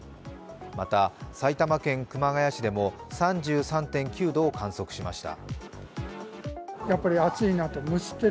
また、埼玉県熊谷市でも３３．９度を観測しました。